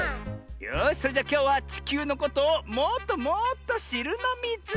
よしそれじゃきょうはちきゅうのことをもっともっとしるのミズ！